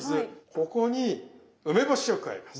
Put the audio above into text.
ここに梅干しを加えます。